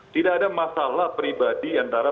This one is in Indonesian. tidak ada masalah pribadi antara